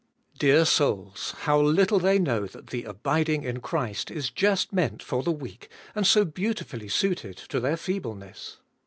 Dear souls ! how little they know that the abiding in Christ is just meant for the weak, and so beauti fully suited to their feebleness.